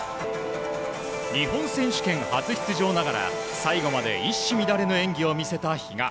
日本選手権初出場ながら最後まで一糸乱れぬ演技を見せた比嘉。